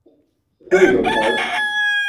Play Your Part.